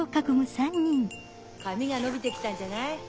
髪が伸びて来たんじゃない？